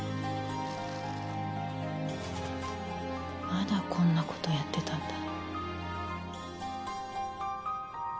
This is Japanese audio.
まだこんなことやってたんだ。